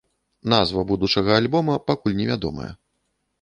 Назва будучага альбома пакуль невядомая.